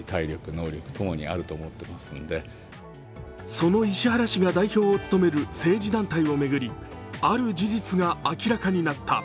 その石原氏が代表を務める政治団体を巡り、ある事実が明らかになった。